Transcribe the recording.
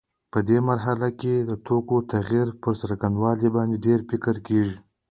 په دې مرحله کې د توکو د تغییر پر څرنګوالي باندې ډېر فکر کېږي.